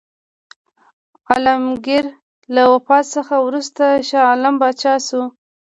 عالمګیر له وفات څخه وروسته شاه عالم پاچا شو.